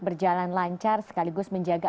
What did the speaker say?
berjalan lancar sekaligus menjaga